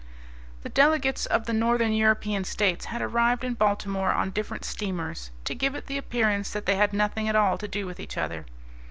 The delegates of the Northern European States had arrived in Baltimore on different steamers, to give it the appearance that they had nothing at all to do with each other.